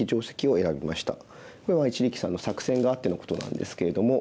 これは一力さんの作戦があってのことなんですけれども。